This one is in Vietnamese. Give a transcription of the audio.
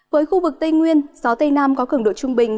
với khu vực tây nguyên gió tây nam có cường độ trung bình